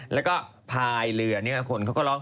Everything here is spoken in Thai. แล้วก็พายเรือนี้คนเขาก็ร้อง